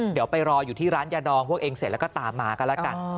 เดี๋ยวไปรออยู่ที่ร้านยาดองพวกเองเสร็จแล้วก็ตามมากันแล้วกัน